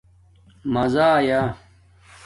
مزہ آیݳ؟